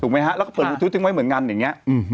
ถูกไหมฮะแล้วก็เปิดบูทูตทิ้งไว้เหมือนกันอย่างเงี้ยอืม